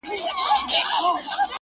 قانون هم کمزوری ښکاري دلته,